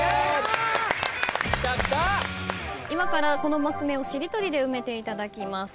今からこのマス目をしりとりで埋めていただきます。